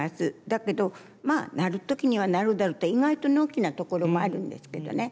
だけどまあなる時にはなるだろうと意外とのんきなところもあるんですけどね。